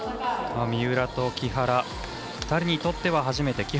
三浦と木原２人にとっては初めて。